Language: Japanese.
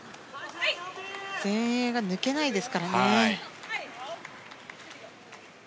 前衛が抜けないですからね。